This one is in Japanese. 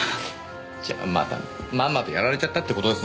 じゃあまたまんまとやられちゃったって事ですね。